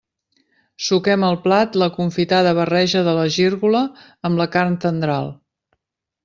Suquem al plat la confitada barreja de la gírgola amb la carn tendral.